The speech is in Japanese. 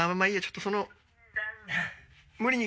ちょっとその。